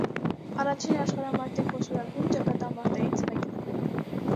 Առաջին աշխարհամարտի խոշորագույն ճակատամարտերից մեկն է։